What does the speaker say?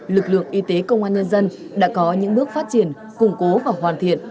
lực lượng y tế công an nhân dân đã có những bước phát triển củng cố và hoàn thiện